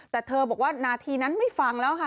แต่เธอบอกว่านาทีนั้นไม่ฟังแล้วค่ะ